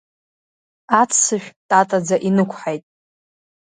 Аццышә татаӡа инықәҳаит.